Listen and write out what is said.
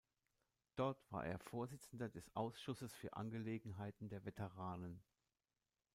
Dort war er Vorsitzender des Ausschusses für Angelegenheiten der Veteranen.